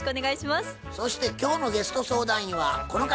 そして今日のゲスト相談員はこの方。